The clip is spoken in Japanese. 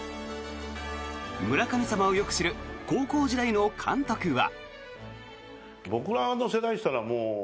村神様をよく知る高校時代の監督は。